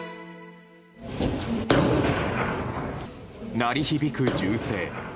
鳴り響く銃声。